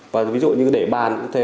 và ví dụ như để bàn như thế